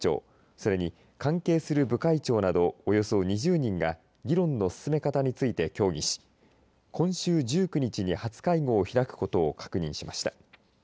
それに、関係する部会長などおよそ２０人が議論の進め方について協議し今週１９日に初会合を開くことを確認しました。